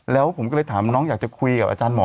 แล้วผมก็เลยถามน้องอยากจะคุยกับอาจารย์หมอ